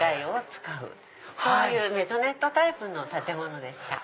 そういうメゾネットタイプの建物でした。